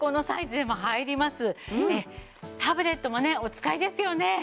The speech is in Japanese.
タブレットもねお使いですよね。